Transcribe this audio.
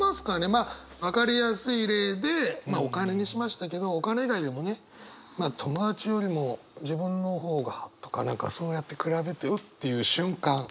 まあ分かりやすい例でお金にしましたけどお金以外でもね友達よりも自分の方がとか何かそうやって比べて「うっ」ていう瞬間。